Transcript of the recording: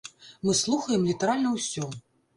Мы слухаем літаральна ўсё.